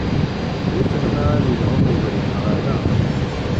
Wissen ma ad ilhu ubrid niγ ala.